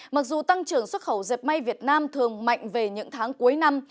mặc dù tăng trưởng xuất khẩu dẹp may việt nam thường mạnh về những tháng cuối năm